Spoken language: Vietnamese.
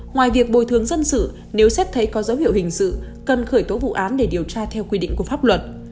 ngoài việc bồi thường dân sự nếu xét thấy có dấu hiệu hình sự cần khởi tố vụ án để điều tra theo quy định của pháp luật